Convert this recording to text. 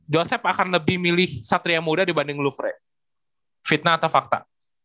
joseph akan lebih milih satria muda dibanding lufred fitnah atau fakta